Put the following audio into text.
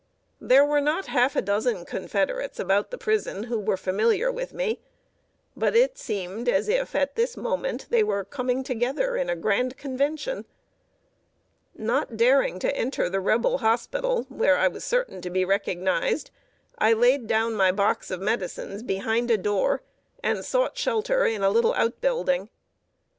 There were not half a dozen Confederates about the prison who were familiar with me; but it seemed as if at this moment they were coming together in a grand convention. Not daring to enter the Rebel hospital, where I was certain to be recognized, I laid down my box of medicines behind a door, and sought shelter in a little outbuilding.